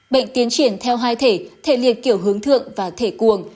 bệnh tiến triển theo hai thể thể liệt kiểu hướng thượng và thể cuồng